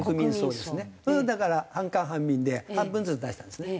だから半官半民で半分ずつ出したんですね。